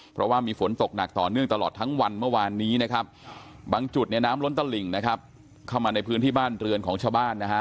เพราะว่ามีฝนตกหนักต่อเนื่องตลอดทั้งวันเมื่อวานนี้นะครับบางจุดเนี่ยน้ำล้นตลิ่งนะครับเข้ามาในพื้นที่บ้านเรือนของชาวบ้านนะฮะ